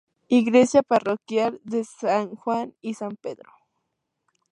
Iglesia Parroquial de San Juan y San Pedro.